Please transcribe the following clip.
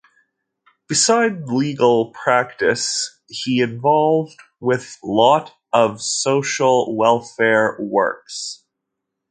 Beside legal practise he involved with lot of social welfare works.